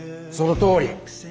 そのとおり。